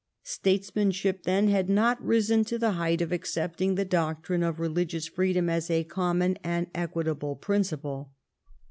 Statesmanship then had not risen to the height of accepting the doctrine of religious freedom as a common and equitable principle.